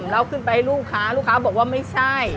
เราขึ้นไปลูกค้าลูกค้าบอกว่าไม่ใช่